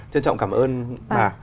trân trọng cảm ơn bà